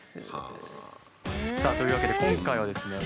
さあというわけで今回はですね